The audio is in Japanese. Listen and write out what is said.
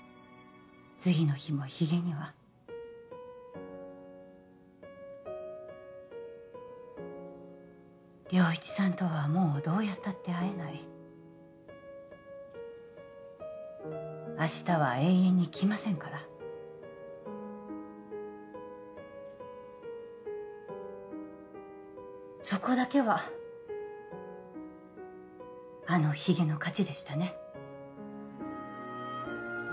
次の日もヒゲには良一さんとはもうどうやったって会えない明日は永遠に来ませんからそこだけはあのヒゲの勝ちでしたね